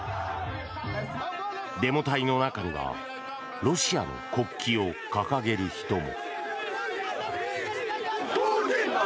デモ隊の中にはロシアの国旗を掲げる人も。